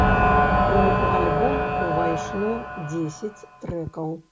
У альбом увайшло дзесяць трэкаў.